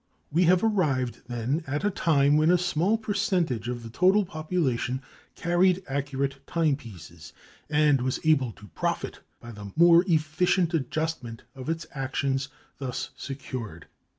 We have arrived, then, at a time when a small percentage of the total population carried accurate timepieces and was able to profit by the more efficient adjustment of its actions thus secured.